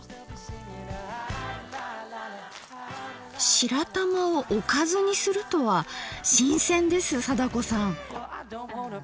白玉をおかずにするとは新鮮です貞子さん。